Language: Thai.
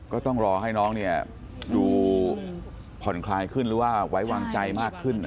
ก็ต้องรอให้น้องดูผ่อนคลายขึ้นหรือว่าไว้วางใจมากขึ้น